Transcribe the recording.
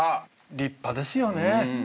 立派ですよね。